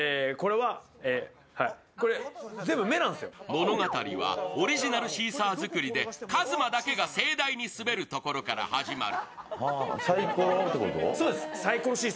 物語はオリジナルシーサー作りでＫＡＺＭＡだけが盛大にスベるところから始まる。